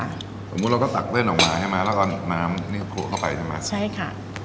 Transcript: สมมุติเราก็ตักเส้นออกมาใช่ไหมแล้วก็น้ำนี่ขลุเข้าไปใช่ไหมใช่ค่ะ